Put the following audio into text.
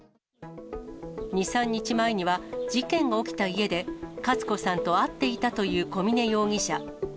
２、３日前には、事件が起きた家で、勝子さんと会っていたという小峰容疑者。